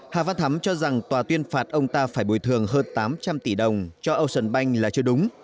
hà văn thắm cho rằng tòa tuyên phạt ông ta phải bồi thường hơn tám trăm linh tỷ đồng cho ocean bank là chưa đúng